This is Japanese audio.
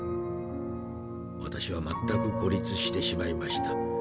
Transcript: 私は全く孤立してしまいました。